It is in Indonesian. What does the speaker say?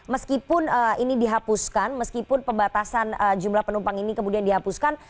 meskipun ini dihapuskan meskipun pembatasan jumlah penumpang ini kemudian dihapuskan